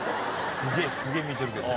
すげえ見てるけど。